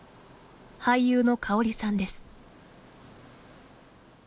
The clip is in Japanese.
俳優のカオリさんです。